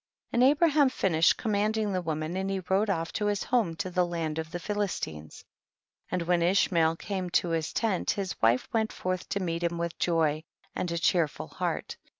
45. And Abraham finished com manding the woman, and he rode off to his home to the land of the Phil istines ; and when Ishmael came to his tent his wife went forth to meet him with joy and a cheerful heart.